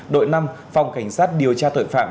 đội năm phòng cảnh sát điều tra tội phạm